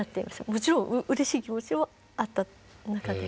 もちろんうれしい気持ちもあった中で。